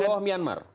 di bawah myanmar